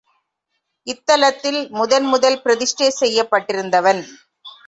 இத்தலத்தில் முதன் முதல் பிரதிஷ்டை செய்யப் பட்டிருந்தவன்.